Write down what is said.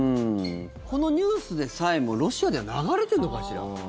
このニュースでさえもロシアでは流れてるのかしら？